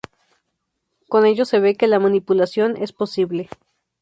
Con ello se ve que la manipulación es posible.